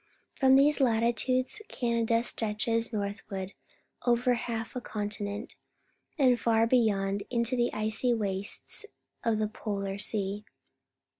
From these latitudes Canada stretches north ward over half a continent, and far beyond, mto the icy wastes of the Polar Sea.